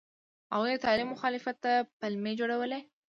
هغوی د تعلیم مخالفت ته پلمې جوړولې.